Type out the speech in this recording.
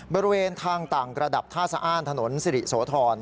บริเวณทางต่างระดับท่าสะอ้านถนนสิริโสธร